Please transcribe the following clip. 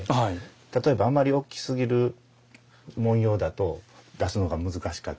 例えばあまり大きすぎる文様だと出すのが難しかったりしたりするし。